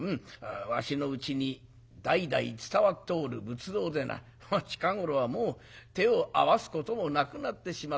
わしのうちに代々伝わっておる仏像でな近頃はもう手を合わすこともなくなってしまった。